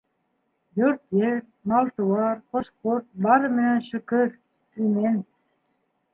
Йорт-ер, мал тыуар, ҡош ҡорт бары менән шөкөр, имен.